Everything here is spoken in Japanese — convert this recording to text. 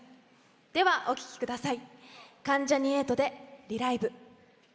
では、お聴きください。